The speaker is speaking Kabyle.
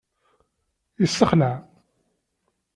Yessexlaɛ!